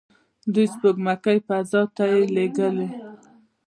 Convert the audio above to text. دوی سپوږمکۍ فضا ته لیږلي.